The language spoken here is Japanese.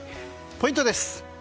ポイントです。